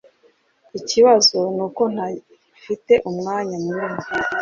Ikibazo nuko ntafite umwanya munini.